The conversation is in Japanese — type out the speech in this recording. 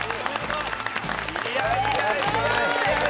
いやいやいやいや。